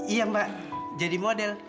iya pak jadi model